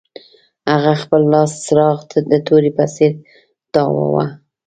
هغه خپل لاسي څراغ د تورې په څیر تاواوه